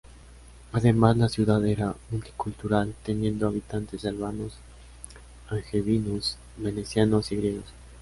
Además, la ciudad era multicultural, teniendo habitantes albanos, angevinos, venecianos y griegos.